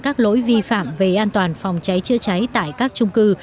các lỗi vi phạm về an toàn phòng cháy chữa cháy tại các trung cư